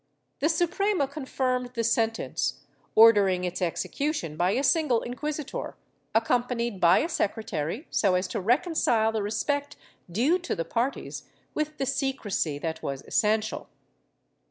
The Suprema confirmed the sentence, ordering its execution by a single inquisitor, accom panied by a secretary, so as to reconcile the respect due to the parties with the secrecy that was essential.